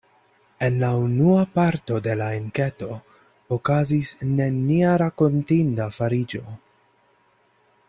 En la unua parto de la enketo okazis nenia rakontinda fariĝo.